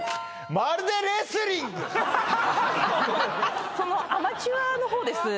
まるでレスリングアマチュアのほうです